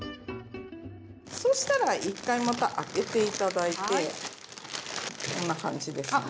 そしたら１回また開けて頂いてこんな感じですね。